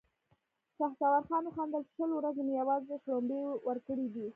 شهسوار خان وخندل: شل ورځې مې يواځې شړومبې ورکړې دي!